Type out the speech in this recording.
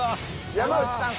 山内さん